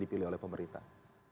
dipilih oleh pemerintah